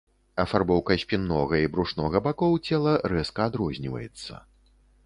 Афарбоўка спіннога і брушнога бакоў цела рэзка адрозніваецца.